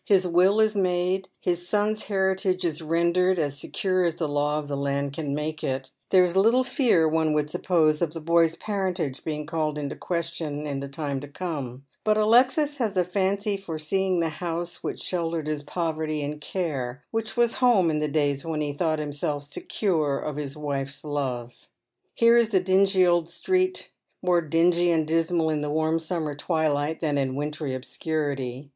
His will is made, his son's heritage is rendered as secure as the law of the land can make it ; there is little fear, one would suppose, of the boy's parentage being called into question in the time to come ; but Alexis has a fancy for seeing the house which sheltered his poverty and care, which was home in the days when he thought himself secure of his wife's love. Here is the dingy old sti'eet, more dingy and dismal in the warm summer twilight than in wintry obscurity.